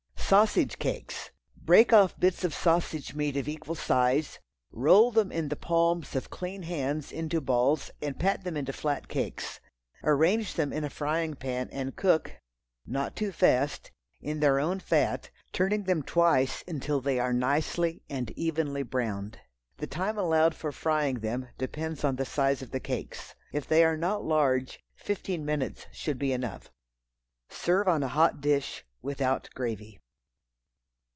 Sausage Cakes. Break off bits of sausage meat of equal size, roll them in the palms of clean hands into balls and pat them into flat cakes. Arrange them in a frying pan and cook (not too fast) in their own fat, turning them twice until they are nicely and evenly browned. The time allowed for frying them depends on the size of the cakes. If they are not large, fifteen minutes should be enough. Serve on a hot dish, without gravy.